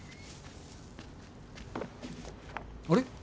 あれ？